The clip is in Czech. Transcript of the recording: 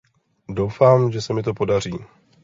Doufám, že se mi to podaří.